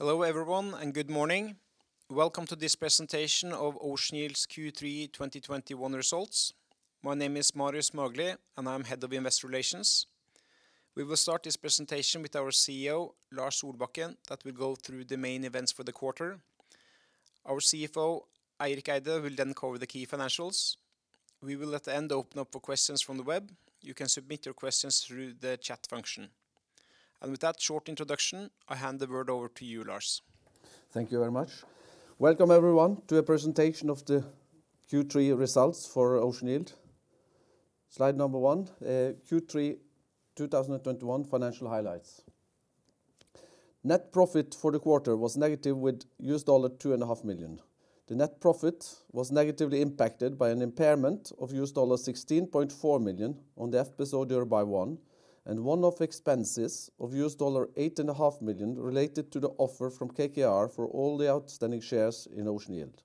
Hello everyone, and good morning. Welcome to this presentation of Ocean Yield's Q3 2021 Results. My name is Marius Magelie, and I'm head of investor relations. We will start this presentation with our CEO, Lars Solbakken, that will go through the main events for the quarter. Our CFO, Eirik Eide, will then cover the key financials. We will at the end open up for questions from the web. You can submit your questions through the chat function. With that short introduction, I hand the word over to you, Lars. Thank you very much. Welcome everyone to a presentation of the Q3 results for Ocean Yield. Slide 1, Q3 2021 financial highlights. Net profit for the quarter was -$2.5 million. The net profit was negatively impacted by an impairment of $16.4 million on the FPSO Dhirubhai-1, and one-off expenses of $8.5 million related to the offer from KKR for all the outstanding shares in Ocean Yield.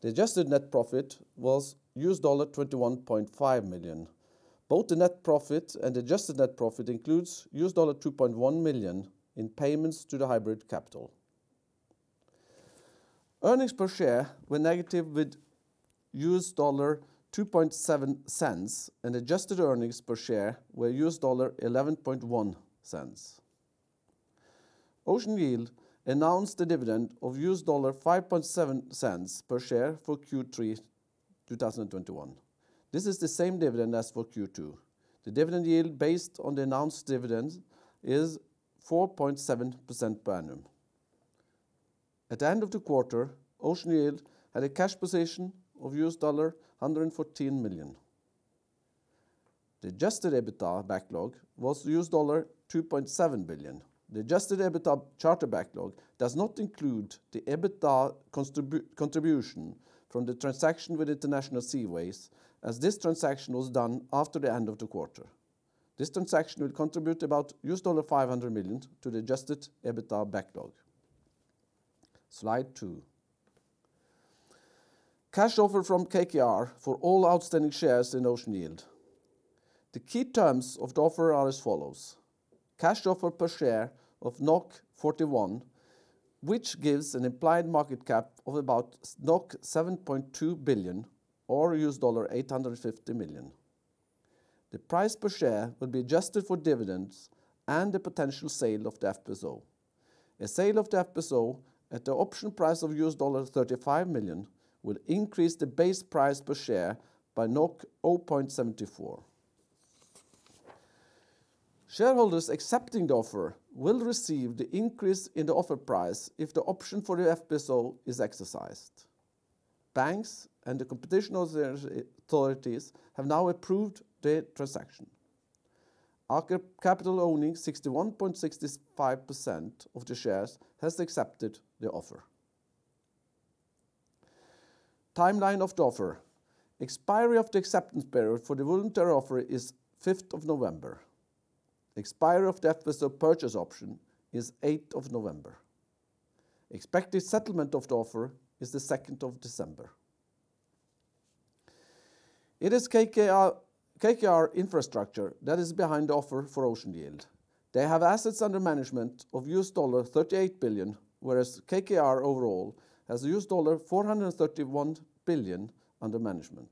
The adjusted net profit was $21.5 million. Both the net profit and adjusted net profit includes $2.1 million in payments to the hybrid capital. Earnings per share were -$0.027 and adjusted earnings per share were $0.111. Ocean Yield announced a dividend of $0.057 per share for Q3 2021. This is the same dividend as for Q2. The dividend yield based on the announced dividend is 4.7% per annum. At the end of the quarter, Ocean Yield had a cash position of $114 million. The adjusted EBITDA backlog was $2.7 billion. The adjusted EBITDA charter backlog does not include the EBITDA contribution from the transaction with International Seaways, as this transaction was done after the end of the quarter. This transaction will contribute about $500 million to the adjusted EBITDA backlog. Slide two. Cash offer from KKR for all outstanding shares in Ocean Yield. The key terms of the offer are as follows. Cash offer per share of 41, which gives an implied market cap of about 7.2 billion or $850 million. The price per share will be adjusted for dividends and the potential sale of the FPSO. A sale of the FPSO at the option price of $35 million will increase the base price per share by 0.74. Shareholders accepting the offer will receive the increase in the offer price if the option for the FPSO is exercised. Banks and the competition authorities have now approved the transaction. Aker Capital owning 61.65% of the shares has accepted the offer. Timeline of the offer. Expiry of the acceptance period for the voluntary offer is fifth of November. Expiry of the FPSO purchase option is eighth of November. Expected settlement of the offer is the second of December. It is KKR Infrastructure that is behind the offer for Ocean Yield. They have assets under management of $38 billion, whereas KKR overall has $431 billion under management.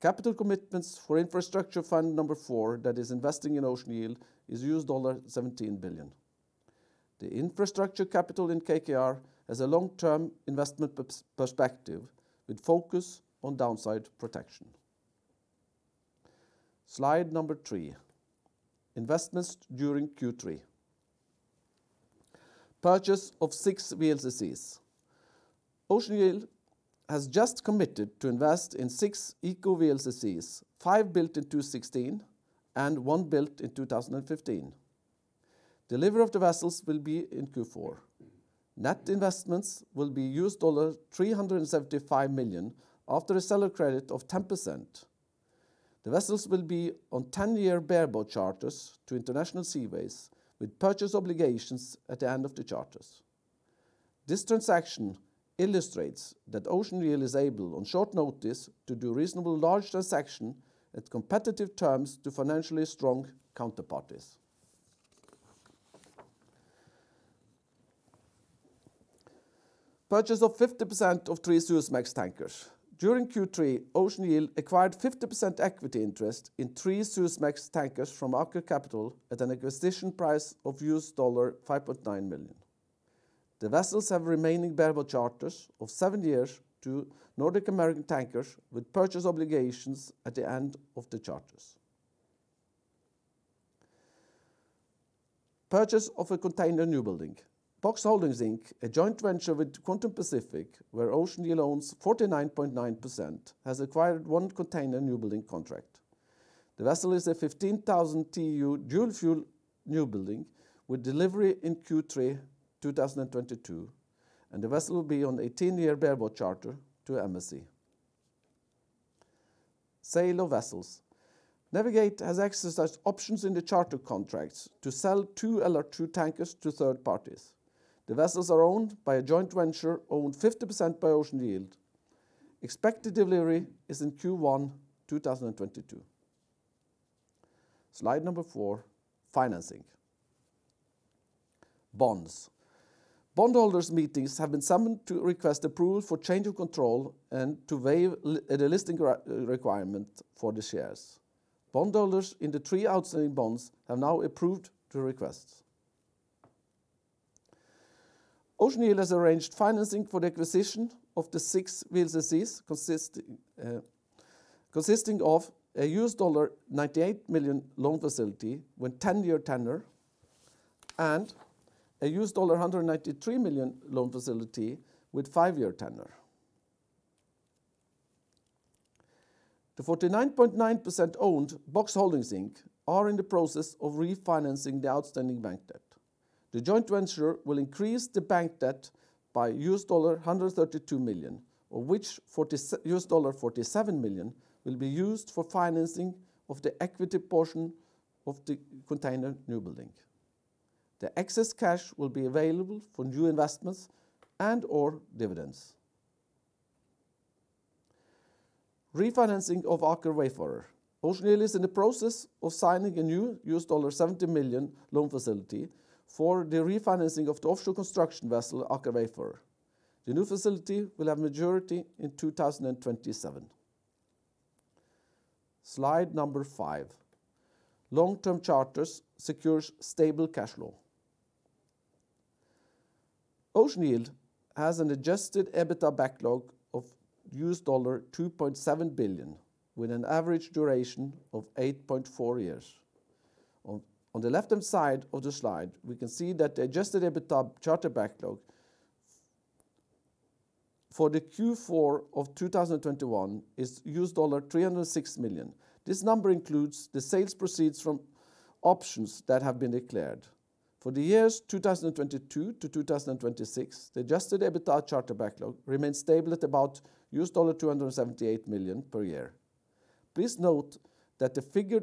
Capital commitments for infrastructure fund number four that is investing in Ocean Yield is $17 billion. The infrastructure capital in KKR has a long-term investment perspective with focus on downside protection. Slide number three, investments during Q3. Purchase of six VLCCs. Ocean Yield has just committed to invest in six eco VLCCs, five built in 2016 and one built in 2015. Delivery of the vessels will be in Q4. Net investments will be $375 million after a seller credit of 10%. The vessels will be on 10-year bareboat charters to International Seaways with purchase obligations at the end of the charters. This transaction illustrates that Ocean Yield is able on short notice to do reasonably large transaction at competitive terms to financially strong counterparties. Purchase of 50% of 3 Suezmax tankers. During Q3, Ocean Yield acquired 50% equity interest in three Suezmax tankers from Aker Capital at an acquisition price of $5.9 million. The vessels have remaining bareboat charters of seven years to Nordic American Tankers with purchase obligations at the end of the charters. Purchase of a container newbuilding. Box Holdings Inc., a joint venture with Quantum Pacific, where Ocean Yield owns 49.9%, has acquired 1 container newbuilding contract. The vessel is a 15,000 TEU dual fuel newbuilding with delivery in Q3 2022, and the vessel will be on a 10-year bareboat charter to MSC. Sale of vessels. Navig8 has exercised options in the charter contracts to sell two LR2 tankers to third parties. The vessels are owned by a joint venture owned 50% by Ocean Yield. Expected delivery is in Q1 2022. Slide number four, financing. Bonds. Bondholders meetings have been summoned to request approval for change of control and to waive a delisting requirement for the shares. Bondholders in the three outstanding bonds have now approved the requests. Ocean Yield has arranged financing for the acquisition of the six VLCCs consisting of a $98 million loan facility with 10-year tenor and a $193 million loan facility with five-year tenor. The 49.9% owned Box Holdings Inc. are in the process of refinancing the outstanding bank debt. The joint venture will increase the bank debt by $132 million, of which $47 million will be used for financing of the equity portion of the container new building. The excess cash will be available for new investments and or dividends. Refinancing of Aker Wayfarer. Ocean Yield is in the process of signing a new $70 million loan facility for the refinancing of the offshore construction vessel, Aker Wayfarer. The new facility will have maturity in 2027. Slide number 5, long-term charters secures stable cash flow. Ocean Yield has an adjusted EBITDA backlog of $2.7 billion, with an average duration of 8.4 years. On the left-hand side of the slide, we can see that the adjusted EBITDA charter backlog for the Q4 of 2021 is $306 million. This number includes the sales proceeds from options that have been declared. For the years 2022 to 2026, the adjusted EBITDA charter backlog remains stable at about $278 million per year. Please note that the figure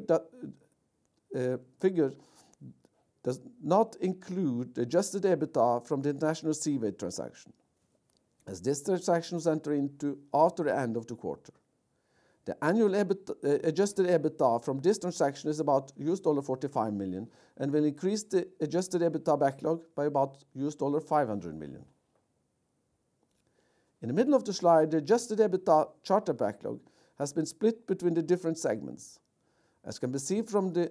does not include the adjusted EBITDA from the International Seaways transaction, as this transaction was entered into after the end of the quarter. The annual adjusted EBITDA from this transaction is about $45 million and will increase the adjusted EBITDA backlog by about $500 million. In the middle of the slide, the adjusted EBITDA charter backlog has been split between the different segments. As can be seen from the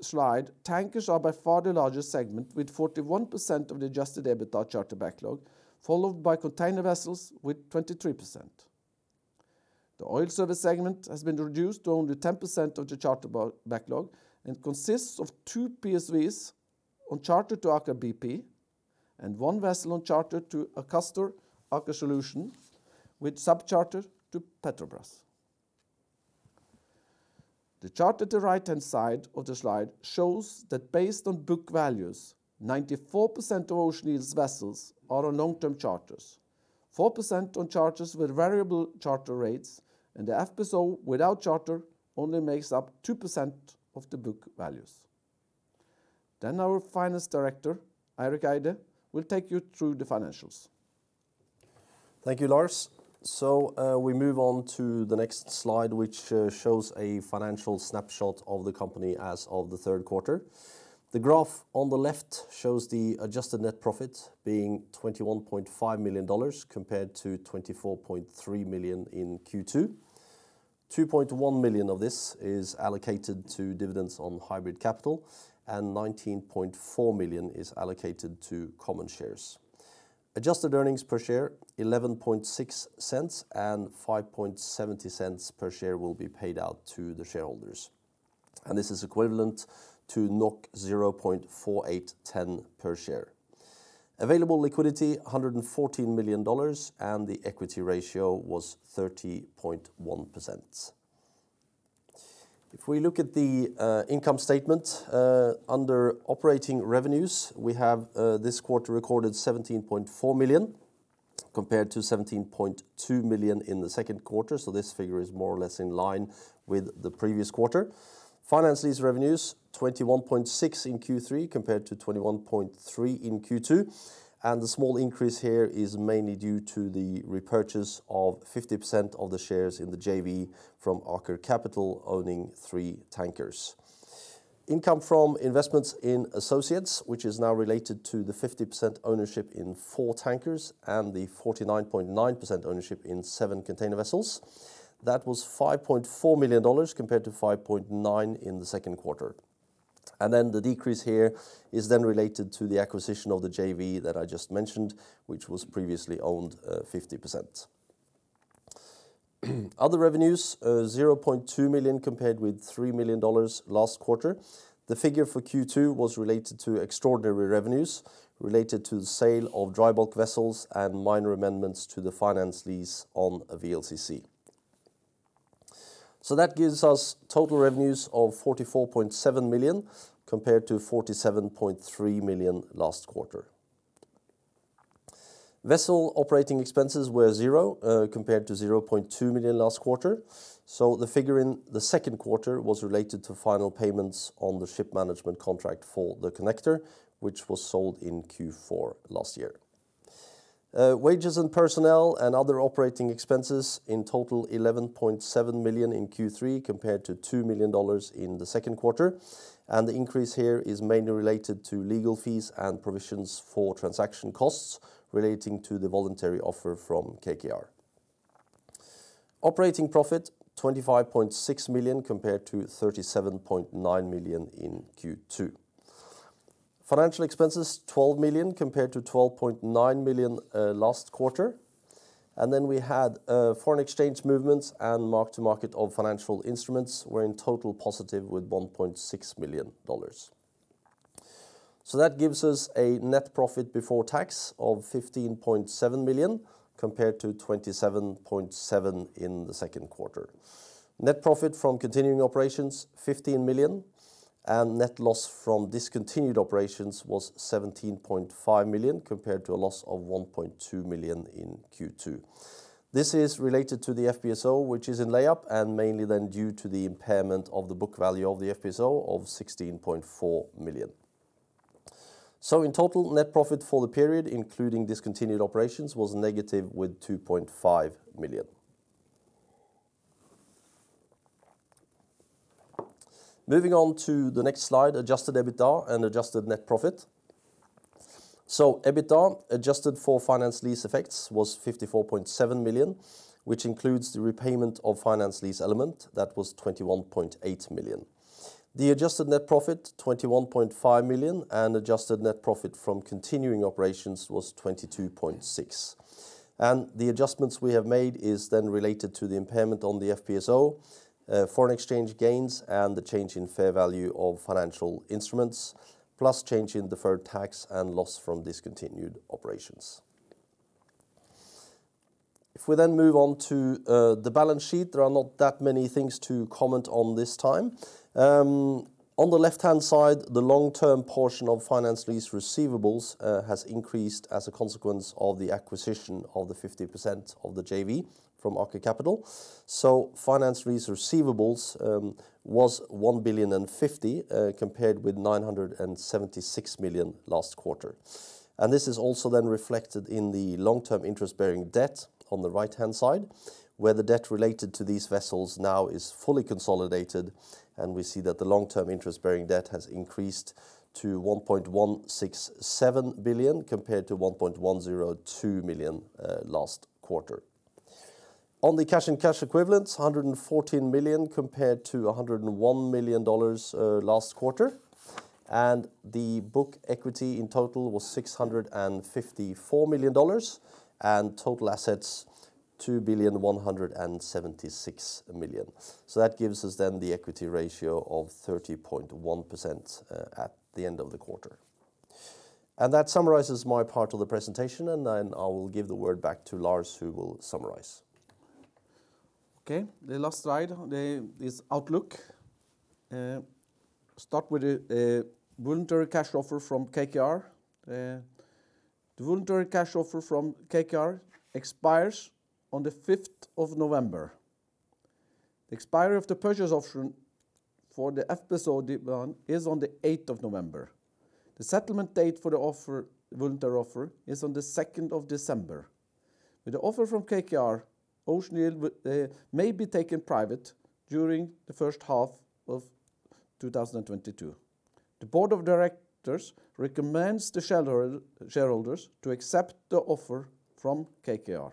slide, tankers are by far the largest segment, with 41% of the adjusted EBITDA charter backlog, followed by container vessels with 23%. The oil service segment has been reduced to only 10% of the charter backlog and consists of two PSVs on charter to Aker BP and one vessel on charter to Akastor Aker Solutions, with sub-charter to Petrobras. The chart at the right-hand side of the slide shows that based on book values, 94% of Ocean Yield's vessels are on long-term charters, 4% on charters with variable charter rates and the FPSO without charter only makes up 2% of the book values. Our Finance Director, Eirik Eide, will take you through the financials. Thank you, Lars. We move on to the next slide, which shows a financial snapshot of the company as of the third quarter. The graph on the left shows the adjusted net profit being $21.5 million compared to $24.3 million in Q2. $2.1 million of this is allocated to dividends on hybrid capital, and $19.4 million is allocated to common shares. Adjusted earnings per share $0.116 and $0.057 per share will be paid out to the shareholders, and this is equivalent to 0.4810 per share. Available liquidity $114 million, and the equity ratio was 30.1%. If we look at the income statement under operating revenues, we have this quarter recorded $17.4 million compared to $17.2 million in the second quarter. This figure is more or less in line with the previous quarter. Finance lease revenues, $21.6 million in Q3 compared to $21.3 million in Q2. The small increase here is mainly due to the repurchase of 50% of the shares in the JV from Aker Capital, owning three tankers. Income from investments in associates, which is now related to the 50% ownership in four tankers and the 49.9% ownership in seven container vessels, was $5.4 million compared to $5.9 million in the second quarter. The decrease here is then related to the acquisition of the JV that I just mentioned, which was previously owned 50%. Other revenues $0.2 million compared with $3 million last quarter. The figure for Q2 was related to extraordinary revenues related to the sale of dry bulk vessels and minor amendments to the finance lease on a VLCC. That gives us total revenues of $44.7 million compared to $47.3 million last quarter. Vessel operating expenses were 0 compared to $0.2 million last quarter. The figure in the second quarter was related to final payments on the ship management contract for the Connector, which was sold in Q4 last year. Wages and personnel and other operating expenses in total $11.7 million in Q3 compared to $2 million in the second quarter. The increase here is mainly related to legal fees and provisions for transaction costs relating to the voluntary offer from KKR. Operating profit $25.6 million compared to $37.9 million in Q2. Financial expenses $12 million compared to $12.9 million last quarter. Foreign exchange movements and mark-to-market of financial instruments were in total positive with $1.6 million. That gives us a net profit before tax of $15.7 million compared to $27.7 million in the second quarter. Net profit from continuing operations $15 million and net loss from discontinued operations was $17.5 million compared to a loss of $1.2 million in Q2. This is related to the FPSO which is in layup and mainly then due to the impairment of the book value of the FPSO of $16.4 million. In total, net profit for the period including discontinued operations was negative with $2.5 million. Moving on to the next slide, adjusted EBITDA and adjusted net profit. EBITDA adjusted for finance lease effects was $54.7 million, which includes the repayment of finance lease element that was $21.8 million. The adjusted net profit $21.5 million and adjusted net profit from continuing operations was 22.6. The adjustments we have made is then related to the impairment on the FPSO, foreign exchange gains, and the change in fair value of financial instruments, plus change in deferred tax and loss from discontinued operations. If we then move on to the balance sheet, there are not that many things to comment on this time. On the left-hand side, the long-term portion of finance lease receivables has increased as a consequence of the acquisition of the 50% of the JV from Aker Capital. Finance lease receivables was $1.05 billion compared with $976 million last quarter. This is also then reflected in the long-term interest-bearing debt on the right-hand side, where the debt related to these vessels now is fully consolidated, and we see that the long-term interest-bearing debt has increased to $1.167 billion compared to $1.102 billion last quarter. On the cash and cash equivalents, $114 million compared to $101 million last quarter. The book equity in total was $654 million, and total assets, $2,176 million. That gives us then the equity ratio of 30.1% at the end of the quarter. That summarizes my part of the presentation, and then I will give the word back to Lars, who will summarize. Okay, the last slide is outlook. Start with the voluntary cash offer from KKR. The voluntary cash offer from KKR expires on the fifth of November. The expiry of the purchase option for the FPSO Dhirubhai-1 is on the eighth of November. The settlement date for the voluntary offer is on the second of December. With the offer from KKR, Ocean Yield may be taken private during the first half of 2022. The Board of Directors recommends the shareholders to accept the offer from KKR.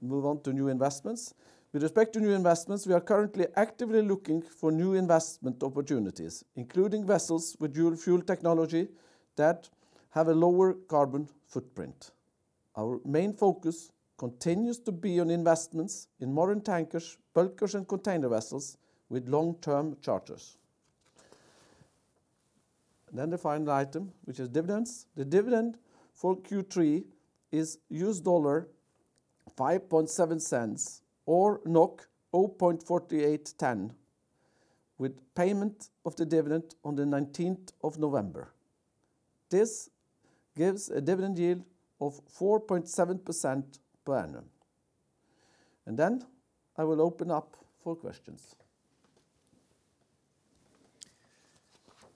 Move on to new investments. With respect to new investments, we are currently actively looking for new investment opportunities, including vessels with dual fuel technology that have a lower carbon footprint. Our main focus continues to be on investments in modern tankers, bulkers, and container vessels with long-term charters. The final item, which is dividends. The dividend for Q3 is $0.057 or 0.4810, with payment of the dividend on the nineteenth of November. This gives a dividend yield of 4.7% per annum. I will open up for questions.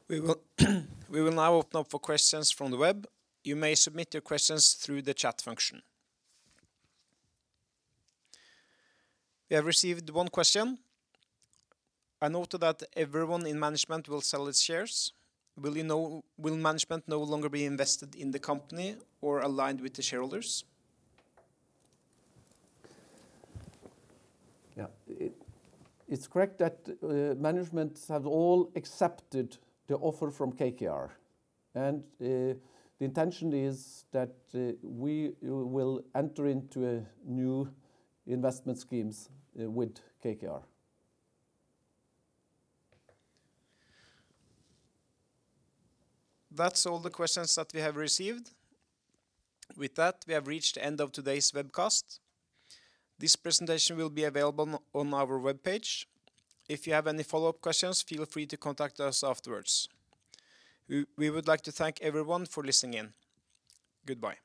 We will now open up for questions from the web. You may submit your questions through the chat function. We have received one question. I noted that everyone in management will sell its shares. Will management no longer be invested in the company or aligned with the shareholders? Yeah. It's correct that management have all accepted the offer from KKR. The intention is that we will enter into a new investment schemes with KKR. That's all the questions that we have received. With that, we have reached the end of today's webcast. This presentation will be available on our webpage. If you have any follow-up questions, feel free to contact us afterwards. We would like to thank everyone for listening in. Goodbye.